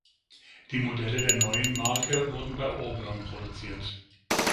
Die Modelle der neuen Marke wurden bei Auburn produziert.